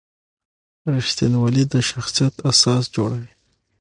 رښتینولي د شخصیت اساس جوړوي.